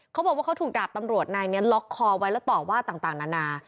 เขาบอกว่าเขาถูกดาบตำรวจนายนี้ล็อกคอไว้แล้วต่อว่าต่างนานา